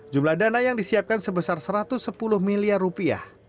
jumlah dana yang disiapkan sebesar satu ratus sepuluh miliar rupiah